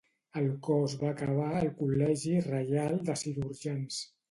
El cos va acabar al Col·legi Reial de Cirurgians.